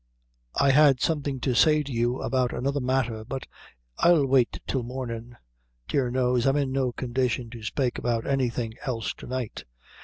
I had something to say to you about another matther, but I'll wait till mornin'; dear knows, I'm in no condition to spake about anything else to night.